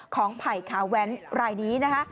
ของภัยขาแว้นรายนี้นะคะ